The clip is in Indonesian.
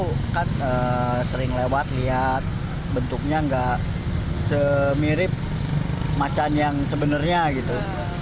itu kan sering lewat lihat bentuknya nggak semirip macan yang sebenarnya gitu